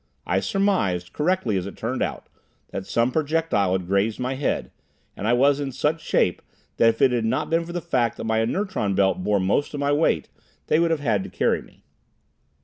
I surmised, correctly as it turned out, that some projectile had grazed my head, and I was in such shape that if it had not been for the fact that my inertron belt bore most of my weight, they would have had to carry me.